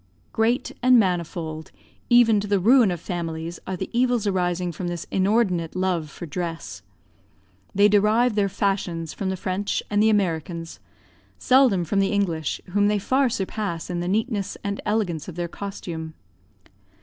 Great and manifold, even to the ruin of families, are the evils arising from this inordinate love for dress. They derive their fashions from the French and the Americans seldom from the English, whom they far surpass in the neatness and elegance of their costume.